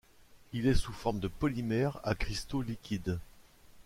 Il est sous forme de polymère à cristaux liquides.